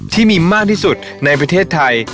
ที่มีมากที่สุดในประเทศไทย